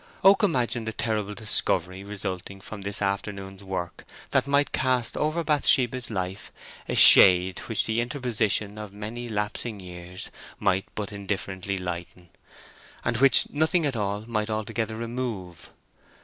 Oak imagined a terrible discovery resulting from this afternoon's work that might cast over Bathsheba's life a shade which the interposition of many lapsing years might but indifferently lighten, and which nothing at all might altogether remove.